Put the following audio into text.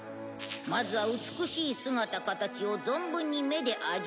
まずは美しい姿かたちを存分に目で味わう